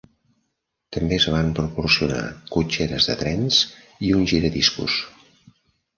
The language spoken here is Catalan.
També es van proporcionar cotxeres de trens i un giradiscos.